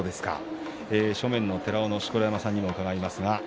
正面の寺尾の錣山さんにも伺います。